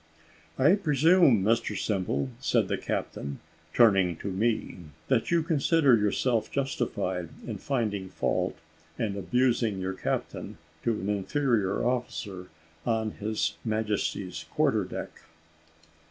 "I presume, Mr Simple," said the captain, turning to me, "that you consider yourself justified in finding fault, and abusing your captain, to an inferior officer, on His Majesty's quarter deck."